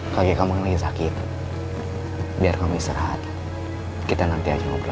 kaget kamu lagi sakit biar kami serat kita nanti aja ngobrol ya